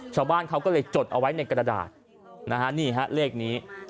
ชาวบ้านเขาก็เลยจดเอาไว้ในกระดาษนะฮะนี่ฮะเลขนี้